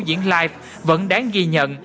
diễn live vẫn đáng ghi nhận